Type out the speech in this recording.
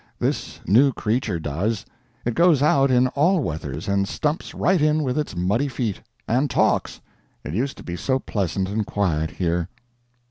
This new creature does. It goes out in all weathers, and stumps right in with its muddy feet. And talks. It used to be so pleasant and quiet here.